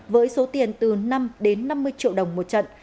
với số tiền từ năm đến năm mươi triệu đồng một trận